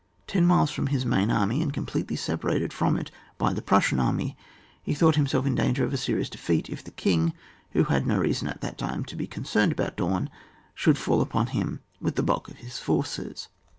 Ten miles from his main army, and completely separated from it by the Prussian army, he thought himself in danger of a serious defeat if the king, who had no reason at that time to be concerned about Daun, should fall upon him with the bulk of his forces.